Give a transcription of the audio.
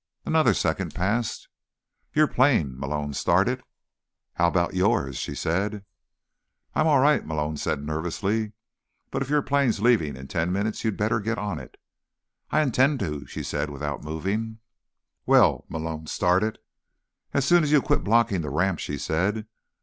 Another second passed. "Your plane—" Malone started. "How about yours?" she said. "I'm all right," Malone said nervously. "But if your plane's leaving in ten minutes you'd better get on it." "I intend to," she said, without moving. "Well—" Malone started. "As soon as you quit blocking the ramp," she said.